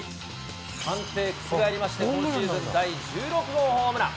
判定覆りまして、今シーズン第１６号ホームラン。